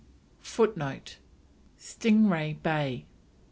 FOOTNOTE: STING RAY BAY.